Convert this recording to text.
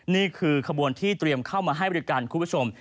นี่คือขบวนที่เตรียมเข้ามาให้บริการคุณผู้ชม